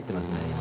今。